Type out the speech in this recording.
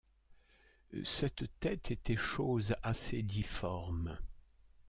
Cette tête était chose assez difforme.